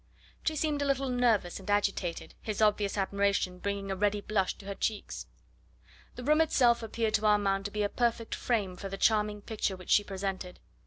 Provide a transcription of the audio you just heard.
She seemed a little nervous and agitated, his obvious admiration bringing a ready blush to her cheeks. The room itself appeared to Armand to be a perfect frame for the charming picture which she presented.